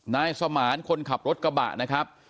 นายสมานคนขับรถกระบะนะครับ